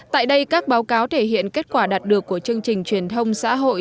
tại đây các báo cáo thể hiện kết quả đạt được của chương trình truyền thông xã hội